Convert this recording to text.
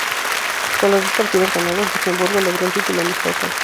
Con los dos partidos ganados, Luxemburgo logró el título amistoso.